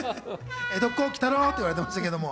江戸っ子、鬼太郎！と言われてましたけど。